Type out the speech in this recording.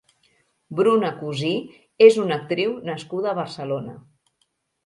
Bruna Cusí és una actriu nascuda a Barcelona.